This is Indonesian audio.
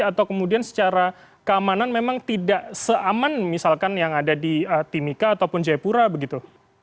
atau kemudian secara keamanan memang tidak seaman misalkan yang ada di timika ataupun jayapura begitu